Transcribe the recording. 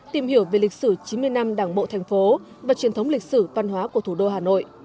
tìm hiểu về lịch sử chín mươi năm đảng bộ thành phố và truyền thống lịch sử văn hóa của thủ đô hà nội